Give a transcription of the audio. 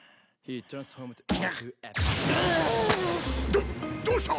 どどうした！？